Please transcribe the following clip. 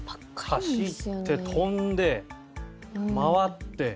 走って飛んで回って。